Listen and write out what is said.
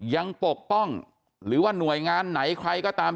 ปกป้องหรือว่าหน่วยงานไหนใครก็ตาม